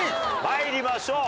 まいりましょう。